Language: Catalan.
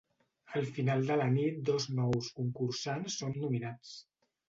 Al final de la nit dos nous concursants són nominats.